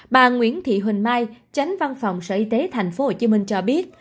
bà nguyễn thị huỳnh mai tránh văn phòng sở y tế tp hcm cho biết